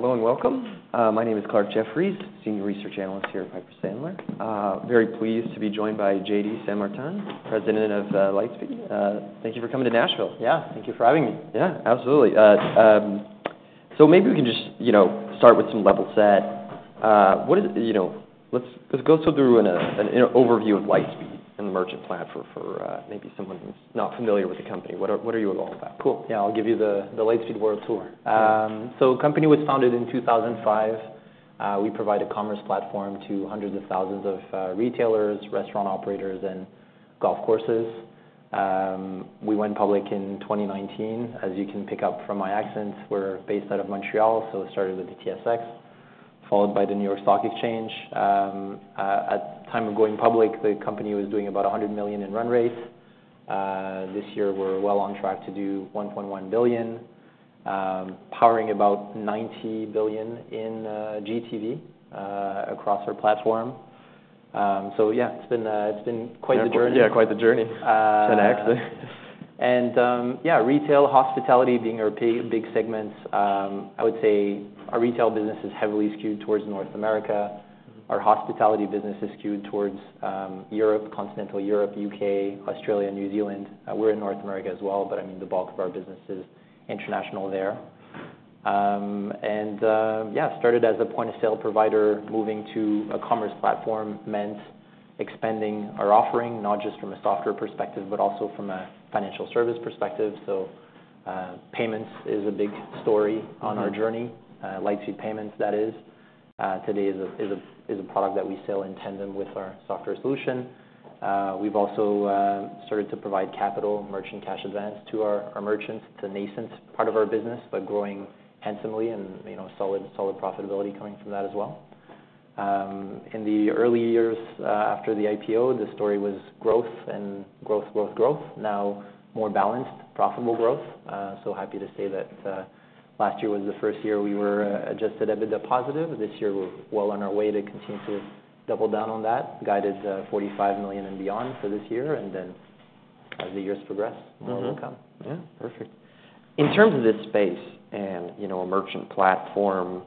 Hello and welcome. My name is Clarke Jeffries, Senior Research Analyst here at Piper Sandler. Very pleased to be joined by JD Saint-Martin, President of Lightspeed. Thank you for coming to Nashville. Yeah, thank you for having me. Yeah, absolutely. So maybe we can just, you know, start with some level set. What is, you know, let's go through an overview of Lightspeed and the merchant platform for maybe someone who's not familiar with the company. What are you all about? Cool. Yeah, I'll give you the Lightspeed world tour. So the company was founded in 2005. We provide a commerce platform to 100,000 of retailers, restaurant operators, and golf courses. We went public in 2019. As you can pick up from my accent, we're based out of Montreal, so it started with the TSX, followed by the New York Stock Exchange. At the time of going public, the company was doing about a 100 million in run rate. This year we're well on track to do 1.1 billion, powering about 90 billion in GTV across our platform. So yeah, it's been quite the journey. Yeah, quite the journey. Yeah, retail, hospitality being our big segments. I would say our retail business is heavily skewed towards North America. Our hospitality business is skewed towards Europe, Continental Europe, U.K., Australia, and New Zealand. We're in North America as well, but I mean, the bulk of our business is international there. Yeah, started as a point-of-sale provider. Moving to a commerce platform meant expanding our offering, not just from a software perspective, but also from a financial service perspective. Payments is a big story on our journey. Mm-hmm. Lightspeed Payments, that is, today is a product that we sell in tandem with our software solution. We've also started to provide capital merchant cash advance to our merchants. It's a nascent part of our business, but growing handsomely and, you know, solid profitability coming from that as well. In the early years, after the IPO, the story was growth, growth, growth, growth. Now more balanced, profitable growth, so happy to say that last year was the first year we were adjusted EBITDA positive. This year, we're well on our way to continue to double down on that. Guided, $45 million and beyond for this year, and then as the years progress, more to come. Mm-hmm. Yeah, perfect. In terms of this space and, you know, a merchant platform,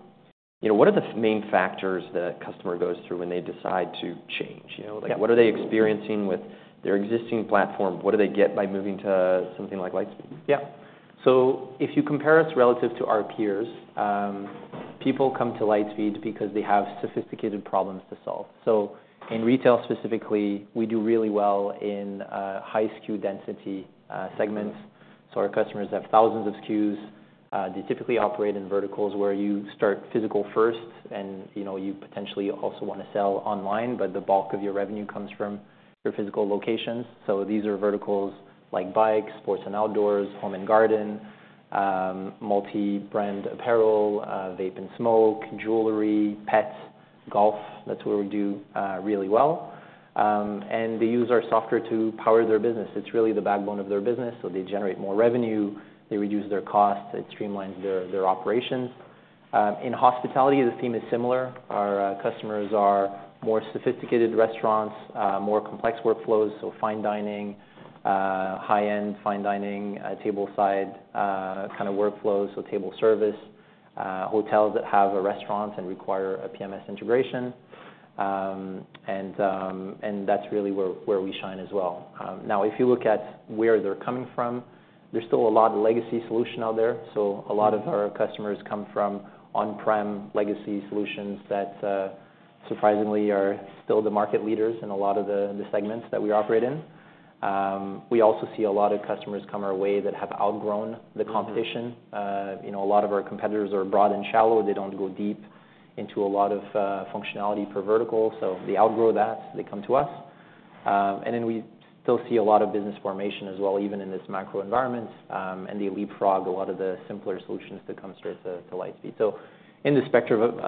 you know, what are the main factors that a customer goes through when they decide to change? You know- Yeah like, what are they experiencing with their existing platform? What do they get by moving to something like Lightspeed? Yeah. So if you compare us relative to our peers, people come to Lightspeed because they have sophisticated problems to solve. So in retail specifically, we do really well in high SKU density segments. So our customers have thousands of SKUs. They typically operate in verticals where you start physical first and, you know, you potentially also wanna sell online, but the bulk of your revenue comes from your physical locations. So these are verticals like bikes, sports and outdoors, home and garden, multi-brand apparel, vape and smoke, jewelry, pets, golf. That's where we do really well. And they use our software to power their business. It's really the backbone of their business, so they generate more revenue, they reduce their costs, it streamlines their operations. In hospitality, the theme is similar. Our customers are more sophisticated restaurants, more complex workflows, so fine dining, high-end fine dining, tableside kind of workflows, so table service, hotels that have a restaurant and require a PMS integration. And that's really where we shine as well. Now, if you look at where they're coming from, there's still a lot of legacy solution out there. Mm-hmm. So a lot of our customers come from on-prem legacy solutions that, surprisingly, are still the market leaders in a lot of the segments that we operate in. We also see a lot of customers come our way that have outgrown the competition. Mm-hmm. You know, a lot of our competitors are broad and shallow. They don't go deep into a lot of functionality per vertical, so they outgrow that, they come to us. And then we still see a lot of business formation as well, even in this macro environment, and they leapfrog a lot of the simpler solutions to come straight to Lightspeed. So in the spectrum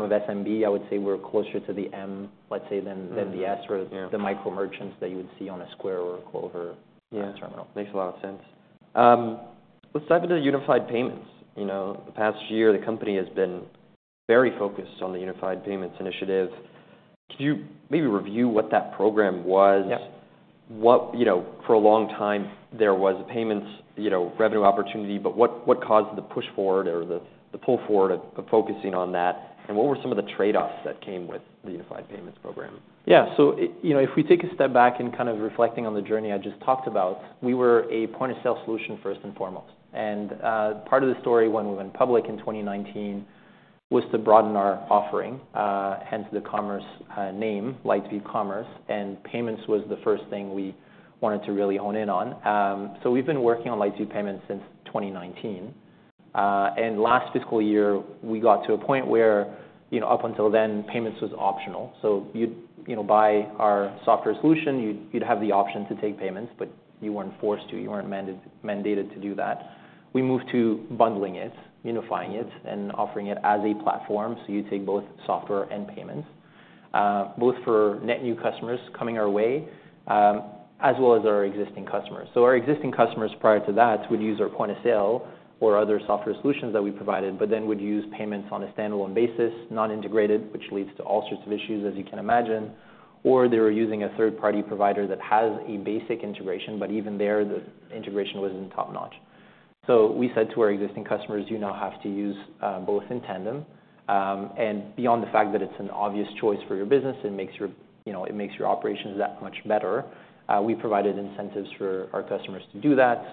of SMB, I would say we're closer to the M, let's say, than- Mm-hmm than the S or the- Yeah the micro merchants that you would see on a Square or a Clover- Yeah terminal. Makes a lot of sense. Let's dive into the Unified Payments. You know, the past year, the company has been very focused on the Unified Payments initiative. Could you maybe review what that program was? Yeah. What? You know, for a long time there was a payments, you know, revenue opportunity, but what caused the push forward or the pull forward of focusing on that? And what were some of the trade-offs that came with the Unified Payments program? Yeah. So you know, if we take a step back and kind of reflecting on the journey I just talked about, we were a point-of-sale solution, first and foremost. And part of the story when we went public in 2019 was to broaden our offering, hence the commerce name, Lightspeed Commerce. And payments was the first thing we wanted to really hone in on. So we've been working on Lightspeed Payments since 2019. And last fiscal year, we got to a point where, you know, up until then, payments was optional. So you'd, you know, buy our software solution, you'd have the option to take payments, but you weren't forced to, you weren't mandated to do that. We moved to bundling it, unifying it, and offering it as a platform, so you take both software and payments, both for net new customers coming our way, as well as our existing customers. So our existing customers prior to that would use our point of sale or other software solutions that we provided, but then would use payments on a standalone basis, not integrated, which leads to all sorts of issues, as you can imagine. Or they were using a third-party provider that has a basic integration, but even there, the integration wasn't top-notch. So we said to our existing customers, you now have to use both in tandem, and beyond the fact that it's an obvious choice for your business, it makes your, you know, it makes your operations that much better. We provided incentives for our customers to do that.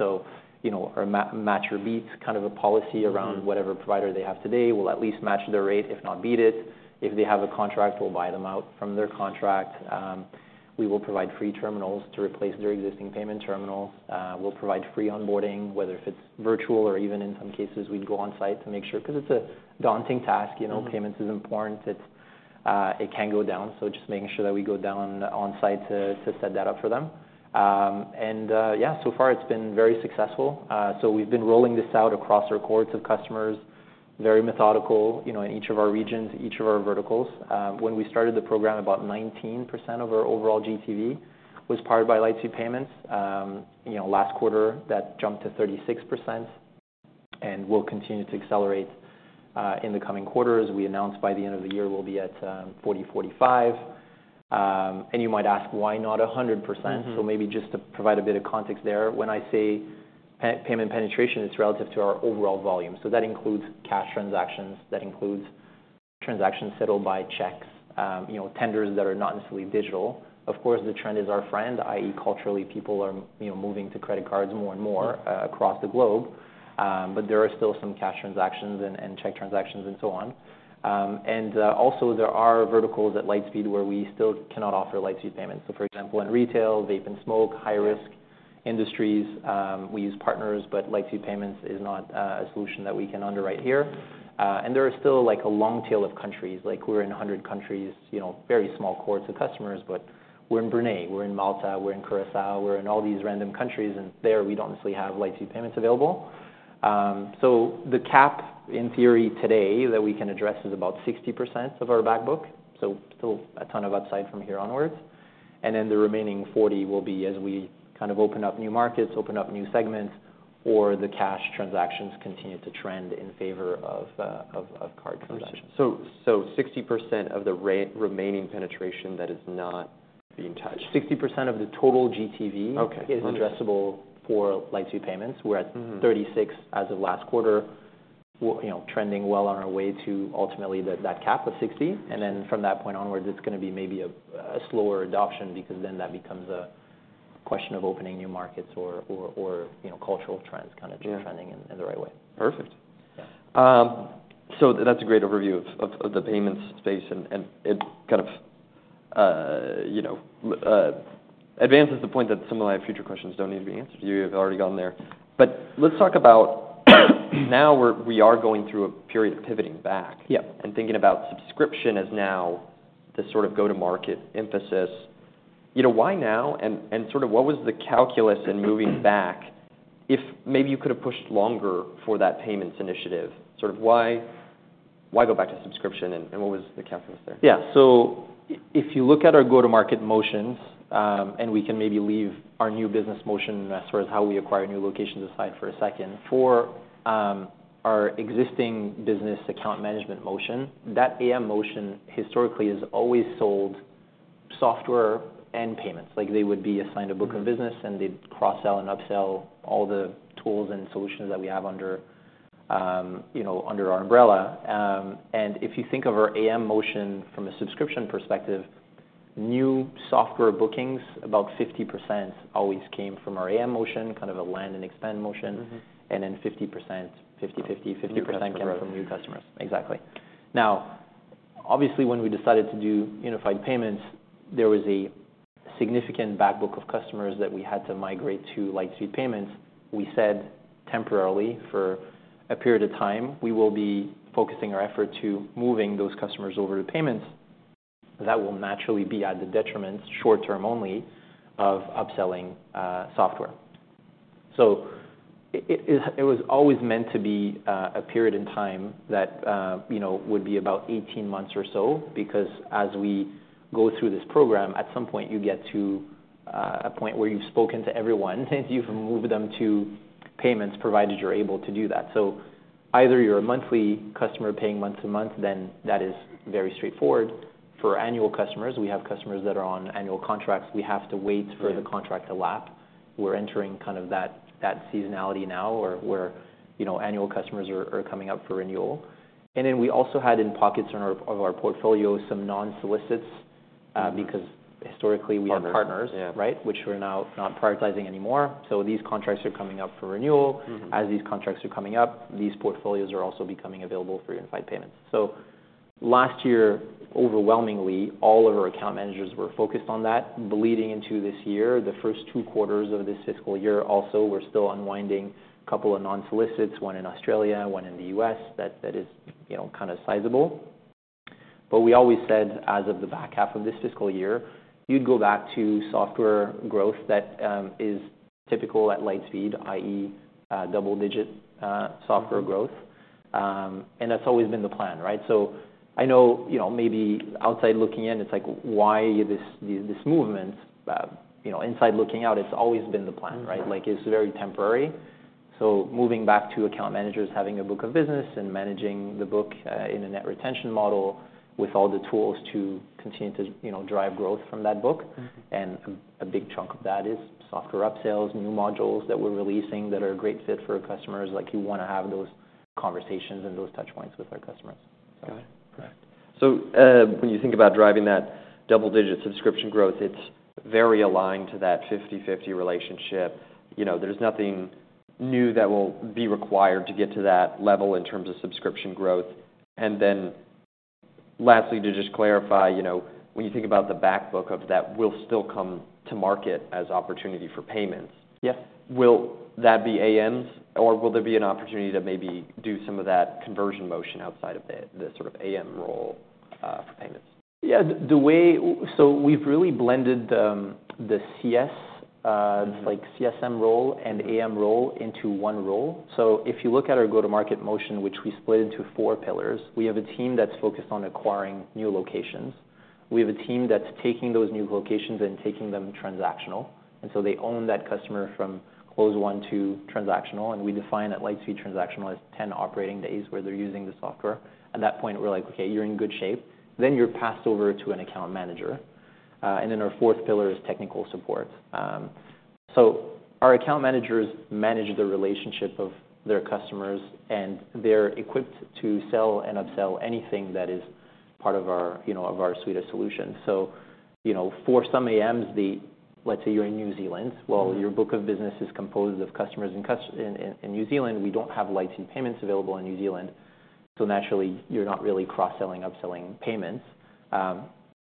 You know, our match or beat kind of a policy around whatever provider they have today, we'll at least match their rate, if not beat it. If they have a contract, we'll buy them out from their contract. We will provide free terminals to replace their existing payment terminal. We'll provide free onboarding, whether if it's virtual or even in some cases, we'd go on site to make sure, 'cause it's a daunting task. Mm. You know, payments is important. It can go down, so just making sure that we go down on site to set that up for them, and yeah, so far it's been very successful, so we've been rolling this out across our cohorts of customers, very methodical, you know, in each of our regions, each of our verticals. When we started the program, about 19% of our overall GTV was powered by Lightspeed Payments. You know, last quarter, that jumped to 36%, and will continue to accelerate in the coming quarters. We announced by the end of the year, we'll be at 40%-45%, and you might ask, why not 100%? Mm-hmm. So maybe just to provide a bit of context there. When I say payment penetration, it's relative to our overall volume. So that includes cash transactions, that includes transactions settled by checks, you know, tenders that are not necessarily digital. Of course, the trend is our friend, i.e., culturally, people are, you know, moving to credit cards more and more. Mm across the globe, but there are still some cash transactions and check transactions, and so on. Also, there are verticals at Lightspeed where we still cannot offer Lightspeed Payments, so for example, in retail, vape and smoke, high risk- Yeah industries. We use partners, but Lightspeed Payments is not a solution that we can underwrite here. There are still, like, a long tail of countries, like we're in a hundred countries, you know, very small cohorts of customers, but we're in Brunei, we're in Malta, we're in Curaçao, we're in all these random countries, and there we don't necessarily have Lightspeed Payments available. So the cap, in theory today, that we can address is about 60% of our back book, so still a ton of upside from here onwards. Then the remaining 40% will be as we kind of open up new markets, open up new segments, or the cash transactions continue to trend in favor of card transactions. 60% of the remaining penetration that is not being touched? 60% of the total GTV- Okay. is addressable for Lightspeed Payments. Mm-hmm. We're at 36 as of last quarter. We're, you know, trending well on our way to ultimately that cap of 60. Mm-hmm. Then from that point onwards, it's gonna be maybe a slower adoption because then that becomes a question of opening new markets or, you know, cultural trends kind of- Yeah trending in the right way. Perfect. Yeah. So that's a great overview of the payments space and it kind of, you know, advances the point that some of my future questions don't need to be answered. You have already gone there. But let's talk about now, we are going through a period of pivoting back- Yeah and thinking about subscription as now the sort of go-to-market emphasis. You know, why now? And sort of what was the calculus in moving back, if maybe you could have pushed longer for that payments initiative? Sort of why, why go back to subscription, and what was the calculus there? Yeah. So if you look at our go-to-market motions, and we can maybe leave our new business motion as far as how we acquire new locations aside for a second. For our existing business account management motion, that AM motion historically has always sold software and payments. Like, they would be assigned a book of business, and they'd cross-sell and upsell all the tools and solutions that we have under, you know, under our umbrella. And if you think of our AM motion from a subscription perspective, new software bookings, about 50% always came from our AM motion, kind of a land and expand motion. Mm-hmm. And then 50%. New customers came from new customers. Exactly. Now, obviously, when we decided to do Unified Payments, there was a significant back book of customers that we had to migrate to Lightspeed Payments. We said temporarily, for a period of time, we will be focusing our effort to moving those customers over to payments. That will naturally be at the detriment, short term only, of upselling software. So it was always meant to be a period in time that, you know, would be about 18 months or so, because as we go through this program, at some point, you get to a point where you've spoken to everyone, and you've moved them to payments, provided you're able to do that. So either you're a monthly customer paying month to month, then that is very straightforward. For annual customers, we have customers that are on annual contracts. We have to wait- Yeah for the contract to lapse. We're entering kind of that seasonality now, where you know, annual customers are coming up for renewal. And then we also had in pockets in our of our portfolio, some non-solicits, because historically, we had- Partners partners. Yeah. Right? Which we're now not prioritizing anymore. So these contracts are coming up for renewal. Mm-hmm. As these contracts are coming up, these portfolios are also becoming available for unified payments. So last year, overwhelmingly, all of our account managers were focused on that. Bleeding into this year, the first two quarters of this fiscal year also, we're still unwinding a couple of non-solicits, one in Australia, one in the U.S., that is, you know, kind of sizable. But we always said, as of the back half of this fiscal year, you'd go back to software growth that is typical at Lightspeed, i.e., double digit software growth. Mm-hmm. That's always been the plan, right? So I know, you know, maybe outside looking in, it's like, why this movement? You know, inside looking out, it's always been the plan, right? Mm-hmm. Like, it's very temporary.... So moving back to account managers, having a book of business and managing the book in a net retention model with all the tools to continue to, you know, drive growth from that book. And a big chunk of that is software upsells, new modules that we're releasing that are a great fit for our customers. Like, we wanna have those conversations and those touch points with our customers. Got it. Correct. So, when you think about driving that double-digit subscription growth, it's very aligned to that 50/50 relationship. You know, there's nothing new that will be required to get to that level in terms of subscription growth. And then lastly, to just clarify, you know, when you think about the back book of that will still come to market as opportunity for payments- Yes. Will that be AMs, or will there be an opportunity to maybe do some of that conversion motion outside of the sort of AM role, for payments? Yeah. So we've really blended the CS, like CSM role and AM role into one role. So if you look at our go-to-market motion, which we split into four pillars, we have a team that's focused on acquiring new locations. We have a team that's taking those new locations and taking them transactional, and so they own that customer from Closed Won to transactional, and we define that Lightspeed transactional as 10 operating days where they're using the software. At that point, we're like: Okay, you're in good shape, then you're passed over to an account manager. And then our fourth pillar is technical support. So our account managers manage the relationship of their customers, and they're equipped to sell and upsell anything that is part of our, you know, of our suite of solutions. So, you know, for some AMs, the... Let's say you're in New Zealand. Your book of business is composed of customers in New Zealand. We don't have Lightspeed Payments available in New Zealand, so naturally, you're not really cross-selling, upselling payments.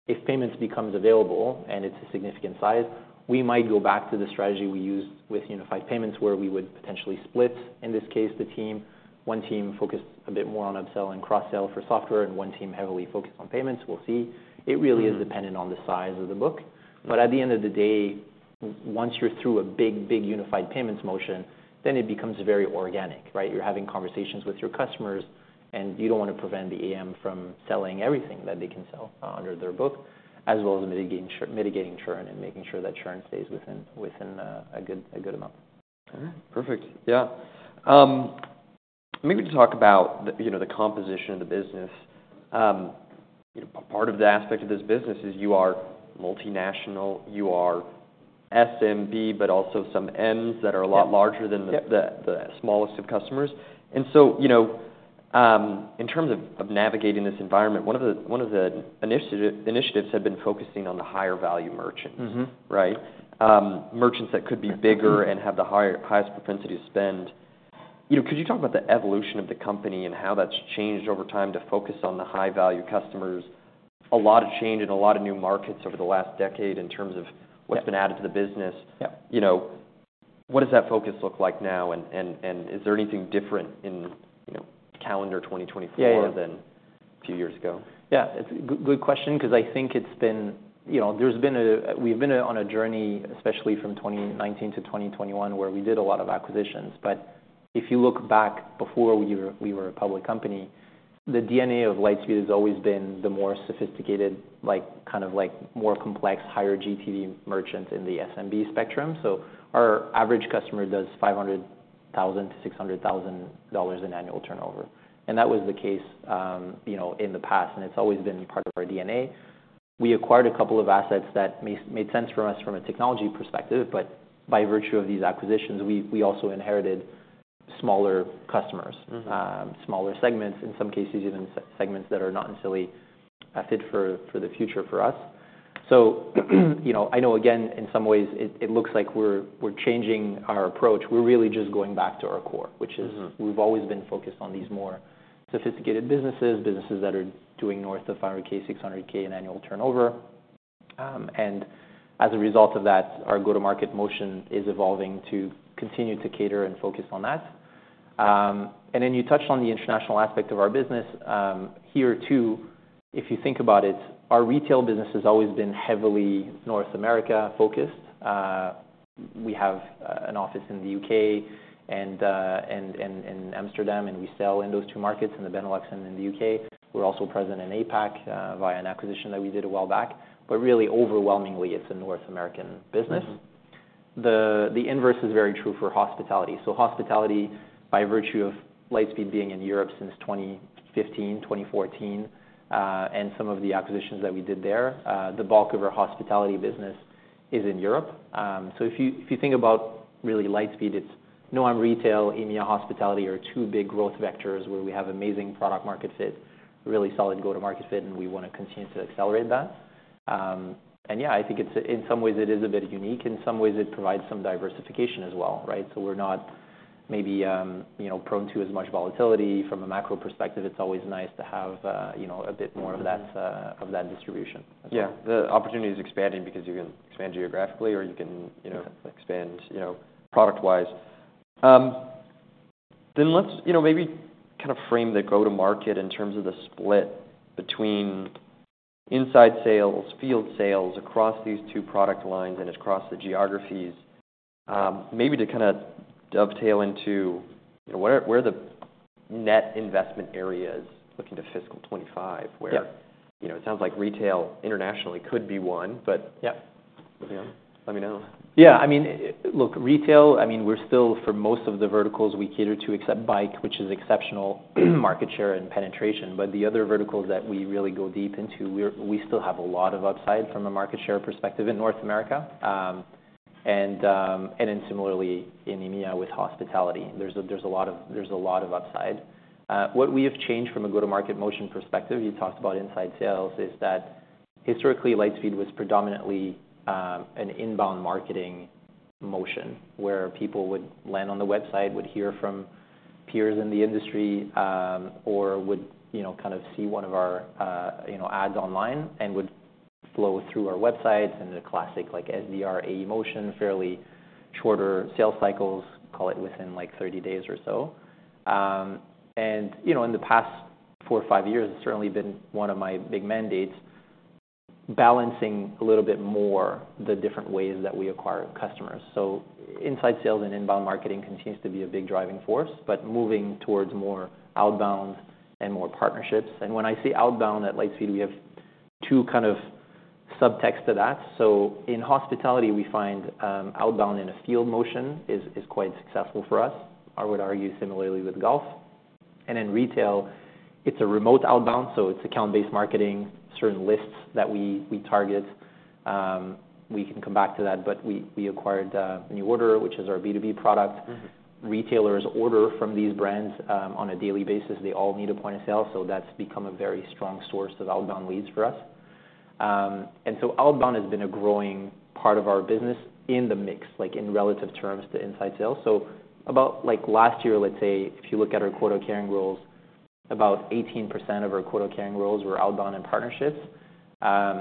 If payments becomes available and it's a significant size, we might go back to the strategy we used with Unified Payments, where we would potentially split, in this case, the team. One team focused a bit more on upsell and cross-sell for software, and one team heavily focused on payments. We'll see. It really is dependent on the size of the book. But at the end of the day, once you're through a big, big Unified Payments motion, then it becomes very organic, right? You're having conversations with your customers, and you don't wanna prevent the AM from selling everything that they can sell under their book, as well as mitigating churn and making sure that churn stays within a good amount. All right. Perfect. Yeah. Maybe to talk about the, you know, the composition of the business. Part of the aspect of this business is you are multinational, you are SMB, but also some Ms that are a lot larger- Yep than the smallest of customers. And so, you know, in terms of navigating this environment, one of the initiatives had been focusing on the higher value merchants. Mm-hmm. Right? Merchants that could be bigger- Mm-hmm and have the higher, highest propensity to spend. You know, could you talk about the evolution of the company and how that's changed over time to focus on the high-value customers? A lot of change in a lot of new markets over the last decade in terms of- Yep what's been added to the business. Yep. You know, what does that focus look like now, and is there anything different in, you know, calendar 2024? Yeah, yeah than a few years ago? Yeah, it's a good question, 'cause I think it's been... You know, we've been on a journey, especially from 2019 to 2021, where we did a lot of acquisitions. But if you look back before we were a public company, the DNA of Lightspeed has always been the more sophisticated, like, kind of like more complex, higher GTV merchants in the SMB spectrum. So our average customer does $500,000-$600,000 in annual turnover, and that was the case, you know, in the past, and it's always been part of our DNA. We acquired a couple of assets that made sense for us from a technology perspective, but by virtue of these acquisitions, we also inherited smaller customers- Mm-hmm smaller segments, in some cases, even segments that are not necessarily a fit for the future for us. So, you know, I know, again, in some ways it looks like we're changing our approach. We're really just going back to our core, which is- Mm-hmm we've always been focused on these more sophisticated businesses, businesses that are doing north of $500,000, $600,000 in annual turnover, and as a result of that, our go-to-market motion is evolving to continue to cater and focus on that, and then you touched on the international aspect of our business. Here, too, if you think about it, our retail business has always been heavily North America focused. We have an office in the U.K. and Amsterdam, and we sell in those two markets, in the Benelux and in the U.K. We're also present in APAC via an acquisition that we did a while back, but really overwhelmingly, it's a North American business. Mm-hmm. The inverse is very true for hospitality. Hospitality, by virtue of Lightspeed being in Europe since 2015, 2014, and some of the acquisitions that we did there, the bulk of our hospitality business is in Europe. If you think about really Lightspeed, it's non-retail, EMEA hospitality are two big growth vectors where we have amazing product market fit, really solid go-to-market fit, and we wanna continue to accelerate that. Yeah, I think it's, in some ways, it is a bit unique. In some ways, it provides some diversification as well, right? We're not maybe, you know, prone to as much volatility. From a macro perspective, it's always nice to have, you know, a bit more of that- Mm-hmm of that distribution. Yeah. The opportunity is expanding because you can expand geographically or you can, you know- Yep expand, you know, product-wise. Then let's, you know, maybe kind of frame the go-to-market in terms of the split between inside sales, field sales, across these two product lines and across the geographies. Maybe to kind of dovetail into... Where, where are the net investment areas looking to fiscal 2025, where- Yeah. You know, it sounds like retail internationally could be one, but- Yeah. You know, let me know. Yeah, I mean, look, retail, I mean, we're still for most of the verticals we cater to, except bike, which is exceptional, market share and penetration. But the other verticals that we really go deep into, we're still have a lot of upside from a market share perspective in North America. And then similarly in EMEA, with hospitality, there's a lot of upside. What we have changed from a go-to-market motion perspective, you talked about inside sales, is that historically, Lightspeed was predominantly an inbound marketing motion, where people would land on the website, would hear from peers in the industry, or would, you know, kind of see one of our, you know, ads online, and would flow through our websites, and the classic, like, SDR AE motion, fairly shorter sales cycles, call it within, like, 30 days or so. And, you know, in the past four or five years, it's certainly been one of my big mandates, balancing a little bit more the different ways that we acquire customers. So inside sales and inbound marketing continues to be a big driving force, but moving towards more outbound and more partnerships. And when I say outbound at Lightspeed, we have two kind of subtext to that. In hospitality, we find outbound in a field motion is quite successful for us. I would argue similarly with golf. In retail, it is a remote outbound, so it is account-based marketing, certain lists that we target. We can come back to that, but we acquired NuORDER, which is our B2B product. Mm-hmm. Retailers order from these brands on a daily basis. They all need a point of sale, so that's become a very strong source of outbound leads for us and so outbound has been a growing part of our business in the mix, like in relative terms to inside sales so about like last year, let's say, if you look at our quota carrying roles, about 18% of our quota carrying roles were outbound and partnerships.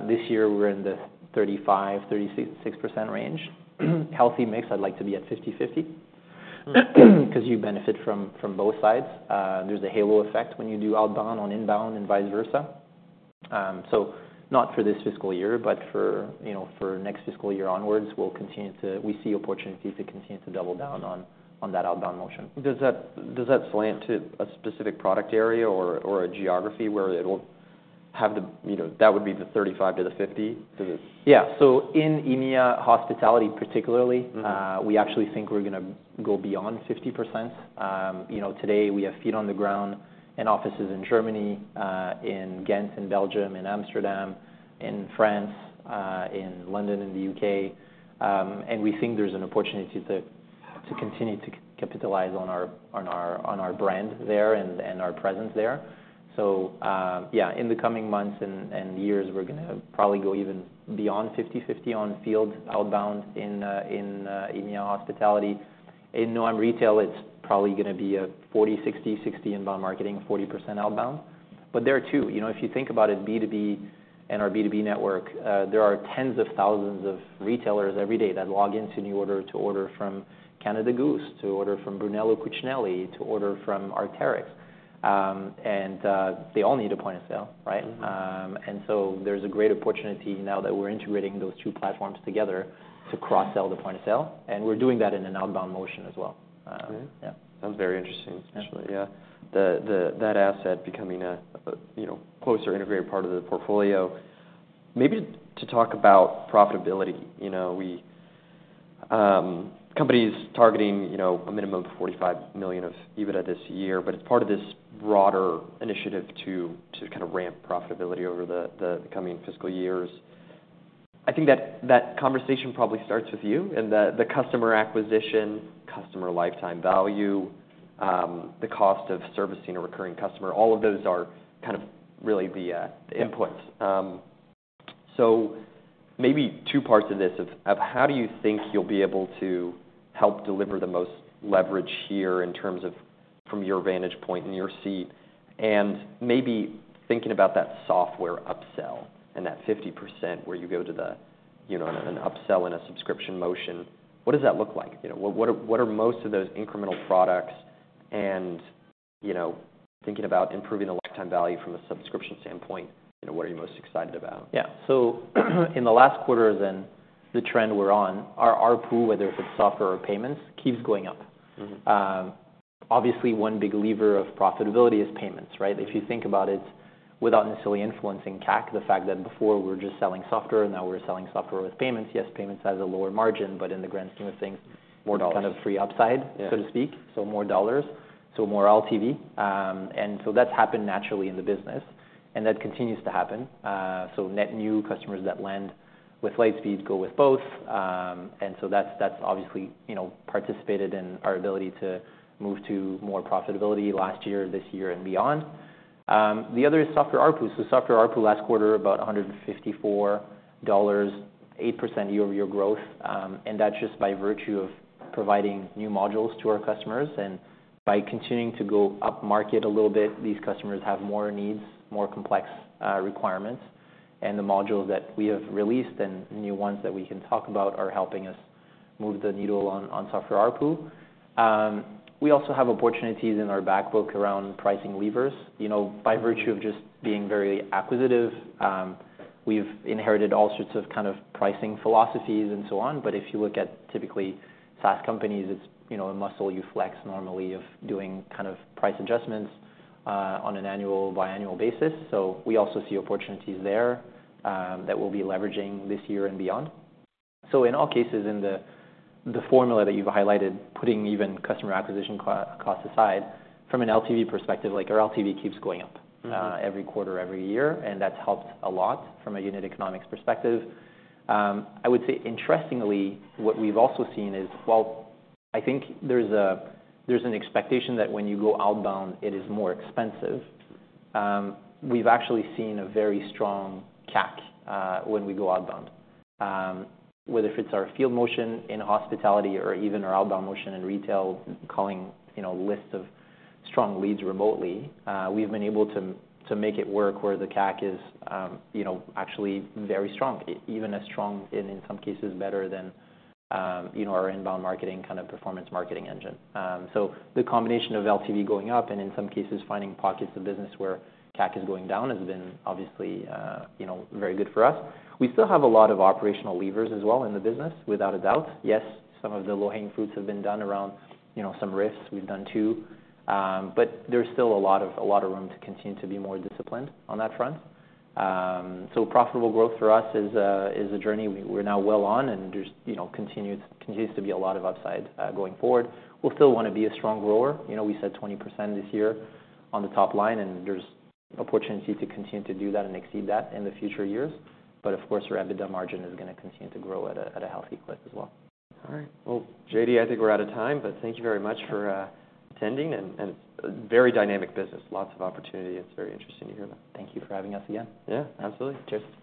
This year we're in the 35%-36% range. Healthy mix, I'd like to be at 50/50. 'Cause you benefit from both sides. There's a halo effect when you do outbound on inbound and vice versa so not for this fiscal year, but for, you know, for next fiscal year onwards, we'll continue to. We see opportunity to continue to double down on that outbound motion. Does that slant to a specific product area or a geography where it'll have the... You know, that would be the 35 to the 50? Does it- Yeah. So in EMEA hospitality particularly- Mm-hmm. We actually think we're gonna go beyond 50%. You know, today we have feet on the ground and offices in Germany, in Ghent, in Belgium, in Amsterdam, in France, in London, in the U.K.. And we think there's an opportunity to continue to capitalize on our brand there and our presence there. So, yeah, in the coming months and years, we're gonna probably go even beyond 50/50 on field outbound in EMEA hospitality. In non-retail, it's probably gonna be a 40, 60, 60 inbound marketing, 40% outbound. But there are two, you know, if you think about it, B2B and our B2B network, there are tens of thousands of retailers every day that log into NuORDER to order from Canada Goose, to order from Brunello Cucinelli, to order from Arc'teryx. And, they all need a point of sale, right? Mm-hmm. and so there's a great opportunity now that we're integrating those two platforms together to cross-sell the point of sale, and we're doing that in an outbound motion as well. Yeah. Sounds very interesting, especially. Yeah. Yeah. That asset becoming a you know, closer integrated part of the portfolio. Maybe to talk about profitability, you know. Companies targeting you know, a minimum of 45 million of EBITDA this year, but it's part of this broader initiative to kind of ramp profitability over the coming fiscal years. I think that conversation probably starts with you and the customer acquisition, customer lifetime value, the cost of servicing a recurring customer. All of those are kind of really the inputs. Yeah. So maybe two parts to this, of how do you think you'll be able to help deliver the most leverage here in terms of from your vantage point in your seat? And maybe thinking about that software upsell and that 50% where you go to the, you know, an upsell in a subscription motion, what does that look like? You know, what are most of those incremental products? And, you know, thinking about improving the lifetime value from a subscription standpoint, you know, what are you most excited about? Yeah. So, in the last quarter, then the trend we're on, our ARPU, whether it's software or payments, keeps going up. Mm-hmm. Obviously, one big lever of profitability is payments, right? If you think about it, without necessarily influencing CAC, the fact that before we were just selling software, now we're selling software with payments. Yes, payments has a lower margin, but in the grand scheme of things- More dollars kind of free upside- Yeah so to speak. So more dollars, so more LTV. And so that's happened naturally in the business, and that continues to happen. So net new customers that land with Lightspeed go with both. And so that's, that's obviously, you know, participated in our ability to move to more profitability last year, this year and beyond. The other is software ARPU. So software ARPU last quarter, about $154, 8% year-over-year growth. And that's just by virtue of providing new modules to our customers. And by continuing to go upmarket a little bit, these customers have more needs, more complex requirements. And the modules that we have released and new ones that we can talk about are helping us move the needle on software ARPU. We also have opportunities in our back book around pricing levers. You know, by virtue of just being very acquisitive, we've inherited all sorts of, kind of, pricing philosophies and so on. But if you look at typically SaaS companies, it's, you know, a muscle you flex normally of doing kind of price adjustments on an annual, biannual basis. So we also see opportunities there that we'll be leveraging this year and beyond. So in all cases, in the formula that you've highlighted, putting even customer acquisition costs aside, from an LTV perspective, like, our LTV keeps going up- Mm-hmm. Every quarter, every year, and that's helped a lot from a unit economics perspective. I would say interestingly, what we've also seen is, while I think there's a, there's an expectation that when you go outbound, it is more expensive, we've actually seen a very strong CAC when we go outbound. Whether if it's our field motion in hospitality or even our outbound motion in retail, calling, you know, lists of strong leads remotely, we've been able to make it work where the CAC is, you know, actually very strong, even as strong and in some cases better than, you know, our inbound marketing kind of performance marketing engine. So the combination of LTV going up, and in some cases, finding pockets of business where CAC is going down, has been obviously, you know, very good for us. We still have a lot of operational levers as well in the business, without a doubt. Yes, some of the low-hanging fruits have been done around, you know, some RIFs we've done, too. But there's still a lot of room to continue to be more disciplined on that front. So profitable growth for us is a journey we're now well on, and there's, you know, continues to be a lot of upside going forward. We'll still wanna be a strong grower. You know, we said 20% this year on the top line, and there's opportunity to continue to do that and exceed that in the future years. But of course, our EBITDA margin is gonna continue to grow at a healthy clip as well. All right. Well, JD, I think we're out of time, but thank you very much for attending, and very dynamic business. Lots of opportunity. It's very interesting to hear about it. Thank you for having us again. Yeah, absolutely. Cheers.